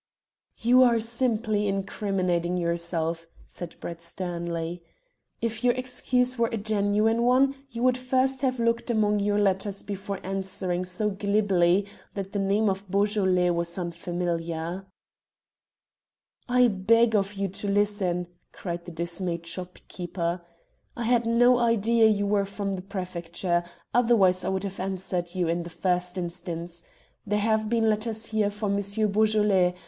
"You are simply incriminating yourself," said Brett sternly. "If your excuse were a genuine one you would first have looked among your letters before answering so glibly that the name of Beaujolais was unfamiliar." "I beg of you to listen," cried the dismayed shopkeeper. "I had no idea you were from the Prefecture, otherwise I would have answered you in the first instance. There have been letters here for Monsieur Beaujolais.